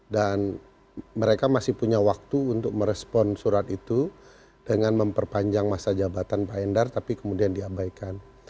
dan mereka masih punya waktu untuk merespon surat itu dengan memperpanjang masa jabatan pak endar tapi kemudian diabaikan